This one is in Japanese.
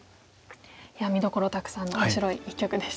見どころたくさんの面白い一局でしたね。